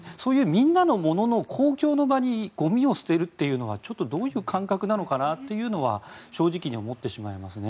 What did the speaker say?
みんなのものの公共の場にゴミを捨てるっていうのはどういう感覚なのかなっていうのは正直思ってしまいますね。